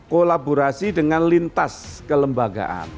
kolaborasi dengan lintas kelembagaan